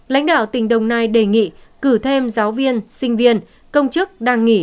lãnh đạo tỉnh đồng nai đề nghị cử thêm giáo viên sinh viên công chức đang nghỉ